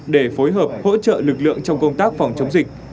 để phối hợp hỗ trợ lực lượng trong công tác phòng chống dịch